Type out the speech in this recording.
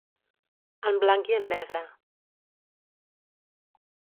En blanc i en negre.